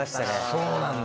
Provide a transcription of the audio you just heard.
そうなんだ。